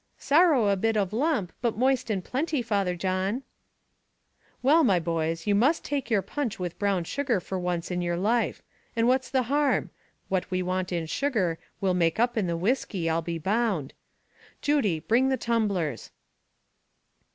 "Sorrow a bit of lump, but moist and plenty, Father John." "Well, my boys, you must make your punch with brown sugar for once in your life; and what's the harm? what we want in sugar, we'll make up in the whiskey, I'll be bound. Judy, bring the tumblers."